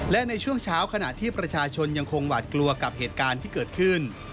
และในช่วงเช้าขณะที่ประชาชนยังคงหวาดกลัวกับเหตุการณ์ที่เกิดขึ้น